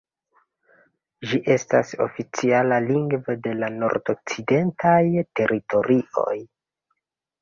Ĝi estas oficiala lingvo de la Nordokcidentaj Teritorioj.